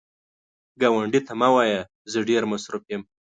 ګاونډي ته مه وایه “زه ډېر مصروف یم”